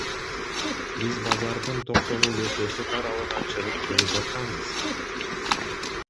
Биз базардын Токтогул көчөсү тарабынан чыгып келе жатканбыз.